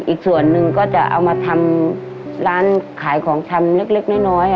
อีกส่วนหนึ่งก็จะเอามาทำร้านขายของชำเล็กน้อย